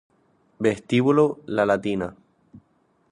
Vestíbulo La Latina